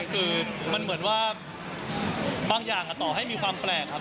คือมันเหมือนว่าบางอย่างต่อให้มีความแปลกครับ